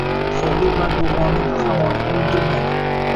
So‘xlik mard o‘g‘lonning qahramonligi unutilmaydi